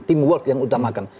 teamwork yang mengutamakan